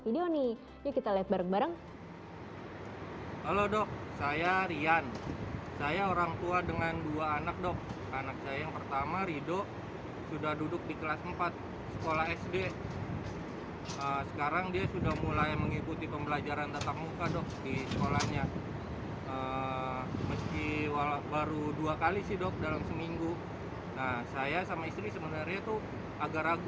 dia akan menjawab video nih yuk kita lihat bareng bareng